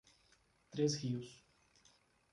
Três Rios